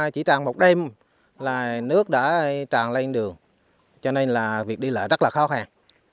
chỉ còn một đêm là nước đã tràn lên đường cho nên là việc đi lại rất là khó khăn